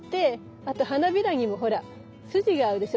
あと花びらにもほら筋があるでしょ。